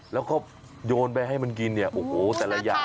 แล้วก็โยนไปให้มันกินเนี่ยโอ้โหแต่ละอย่าง